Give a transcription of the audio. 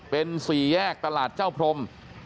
เป็นสี่แยกตลาดเจ้าพรม